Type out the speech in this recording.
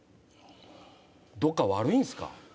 どっか悪いんすか？